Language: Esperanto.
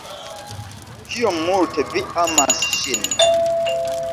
Kiom multe vi amas ŝin.